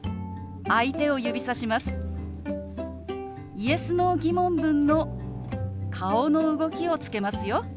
Ｙｅｓ／Ｎｏー疑問文の顔の動きをつけますよ。